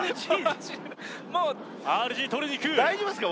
ＲＧ取りにいく大丈夫ですか